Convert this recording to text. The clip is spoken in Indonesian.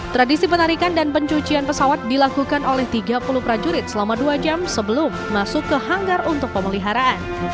tradisi penarikan dan pencucian pesawat dilakukan oleh tiga puluh prajurit selama dua jam sebelum masuk ke hanggar untuk pemeliharaan